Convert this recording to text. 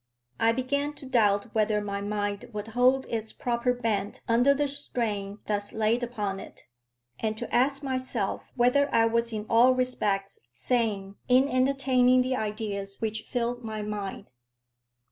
I began to doubt whether my mind would hold its proper bent under the strain thus laid upon it, and to ask myself whether I was in all respects sane in entertaining the ideas which filled my mind.